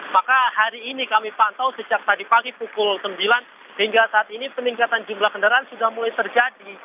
maka hari ini kami pantau sejak tadi pagi pukul sembilan hingga saat ini peningkatan jumlah kendaraan sudah mulai terjadi